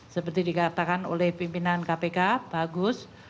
seperti dikatakan oleh pimpinan kpk pak agus